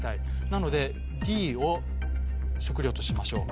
なのでＤを食料としましょう。